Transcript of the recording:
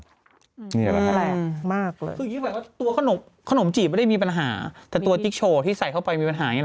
ซึ่งนี้แบบว่าขนมจีบไม่ได้มีปัญหาแต่ตัวจิ๊กโชที่ใส่เข้าไปมีปัญหานี่แหละครับ